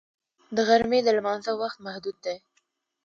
د غرمې د لمانځه وخت محدود دی